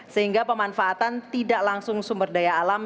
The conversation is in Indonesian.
sehingga pemanfaatan tidak langsung sumber daya alam